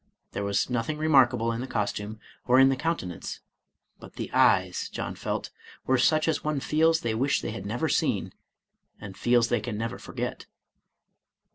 There was nothing remarkable in the costume, or in the countenance, but the eyes, John felt, were such as one feels they wish they had never seen, and feels they can never forget.